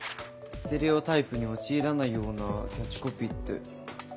ステレオタイプに陥らないようなキャッチコピーって何だろう？